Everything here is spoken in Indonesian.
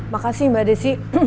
makasih mbak desy